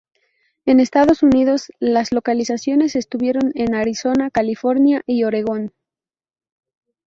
En Estados Unidos, las locaciones estuvieron en Arizona, California y Oregon.